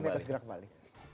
kami akan segera kembali